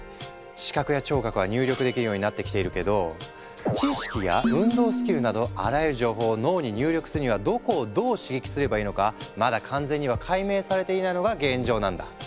視覚や聴覚は入力できるようになってきているけど知識や運動スキルなどあらゆる情報を脳に入力するにはどこをどう刺激すればいいのかまだ完全には解明されていないのが現状なんだ。